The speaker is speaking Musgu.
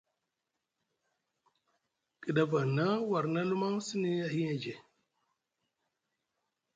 Kiɗaf a hina warni a lumaŋ sini Ahiyeje.